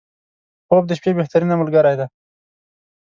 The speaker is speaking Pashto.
• خوب د شپې بهترینه ملګری دی.